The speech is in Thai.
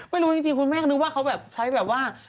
ไม่รู้จริงคุณแม่ก็นึกว่าเขาแบบใช้แบบว่า